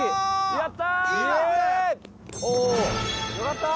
やった。